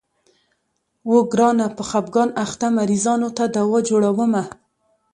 اوو ګرانه په خفګان اخته مريضانو ته دوا جوړومه.